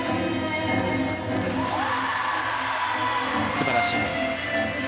素晴らしいです。